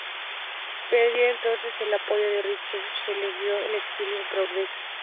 Perdido entonces el apoyo de Richelieu, se le envió al exilio en Provenza.